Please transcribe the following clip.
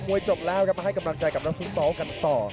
มวยจบแล้วกลับมาให้กำลังใจกับรับสู้ซอสกันต่อ